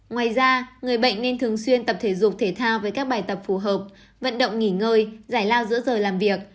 ngoài ra người bệnh nên thường xuyên tập thể dục thể thao với các bài tập phù hợp vận động nghỉ ngơi giải lao giữa giờ làm việc